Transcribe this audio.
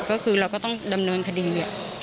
เราก็ต้องดำเนินคดี